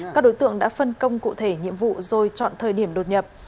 các đối tượng đã phân công cụ thể nhiệm vụ rồi chọn thời điểm đột nhập